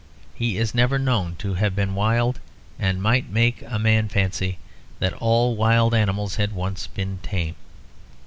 He is never known to have been wild, and might make a man fancy that all wild animals had once been tame.